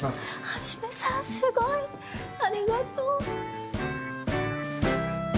一さんすごいありがとう。